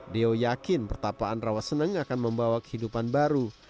deo yakin pertapaan rawaseneng akan membawa kehidupan baru